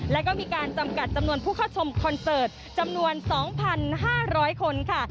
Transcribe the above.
แล้วก็มีการจำกัดจำนวนผู้เข้าชมคอนเสิร์ตจำนวน๒๕๐๐คนค่ะ